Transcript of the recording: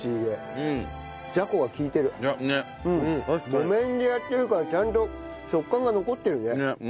木綿でやってるからちゃんと食感が残ってるね。